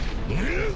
ん！